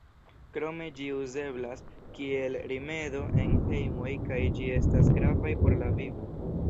Krome ĝi uzeblas kiel rimedo en hejmoj kaj ĝi estas gravaj por la vivo.